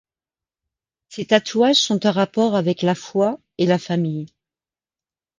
Ses tatouages sont en rapport avec la foi et la famille.